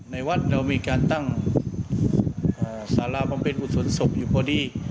ในวัดเรามีการตั้งสาราบำเพ็ญกุศลศพอยู่พอดี